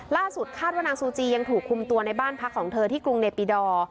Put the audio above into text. ล่าสุดคาดว่านางซูจียังถูกคุมตัวในบ้านพักของเธอที่กรุงเนปิดอร์